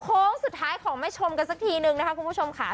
โค้งสุดท้ายของแม่ชมกันสักทีนึงนะคะคุณผู้ชมค่ะ